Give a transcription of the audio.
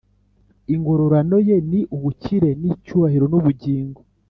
ingororano ye ni ubukire n’icyubahiro n’ubugingo